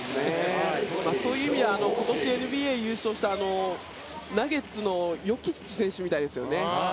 そういう意味では今年のＮＢＡで優勝したナゲッツのヨキッチ選手みたいですよね。